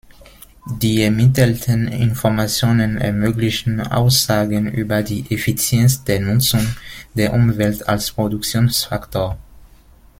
Die ermittelten Informationen ermöglichen Aussagen über die Effizienz der Nutzung der Umwelt als Produktionsfaktor.